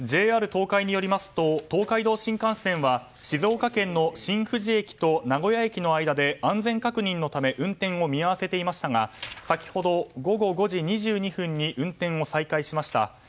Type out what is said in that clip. ＪＲ東海によりますと東海道新幹線は静岡県の新富士駅と名古屋駅の間で安全確認のため運転を見合わせていましたが先ほど午後５時２２分に運転を再開しました。